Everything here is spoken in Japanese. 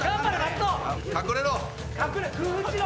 隠れろ。